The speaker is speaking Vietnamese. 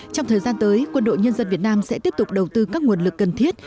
trong thời gian tới quân đội nhân dân việt nam sẽ tiếp tục đầu tư các nguồn lực cần thiết